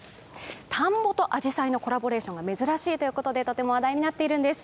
田んぼとあじさいのコラボレーションは珍しいということでとても話題になっているんです。